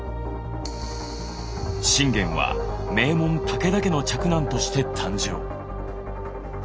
信玄は名門武田家の嫡男として誕生。